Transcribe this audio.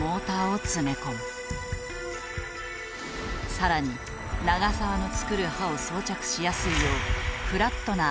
更に長澤の作る刃を装着しやすいようフラットな足裏へ。